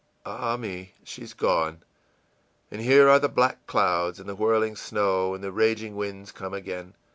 Ah, me, she's gone, and here are the black clouds and the whirling snow and the raging winds come again!